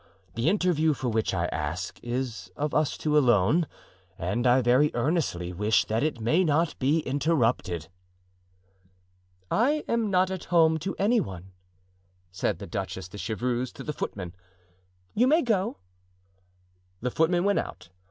The interview for which I ask is of us two alone, and I very earnestly wish that it may not be interrupted." "I am not at home to any one," said the Duchess de Chevreuse to the footman. "You may go." The footman went out.